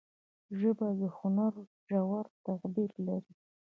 ژبه د هنر ژور تعبیر لري